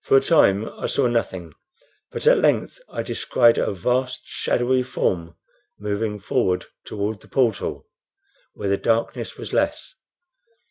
For a time I saw nothing, but at length I descried a vast, shadowy form moving forward toward the portal, where the darkness was less.